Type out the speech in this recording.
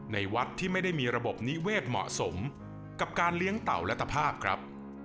ในวัดที่ไม่ได้มีระบบนิเวศเหมาะสมกับการเลี้ยงเต่าและตภาพครับ